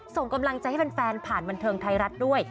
ส่งกำลังใจให้แฟนผ่านบันเทิงไทยรัฐด้วย